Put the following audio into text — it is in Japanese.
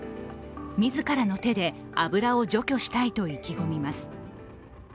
自らの手で油を除去したいと意気込みます。